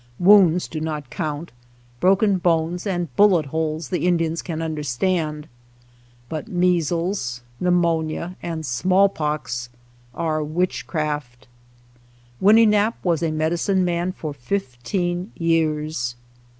Wounds do not count ; broken bones and bullet holes the Indian can understand, but measles, pneumonia, and smallpox are witchcraft. Winnenap' was medicine man for fifteen years.